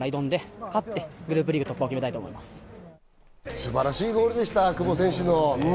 素晴らしいゴールでした、久保選手の。